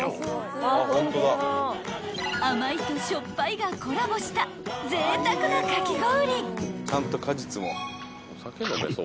［甘いとしょっぱいがコラボしたぜいたくなかき氷］